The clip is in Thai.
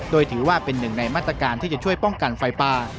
โดยถือว่าเป็นหนึ่งในมาตรการที่จะช่วยป้องกันไฟป่า